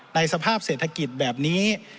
ในสภาพเศรษฐกิจแบบนี้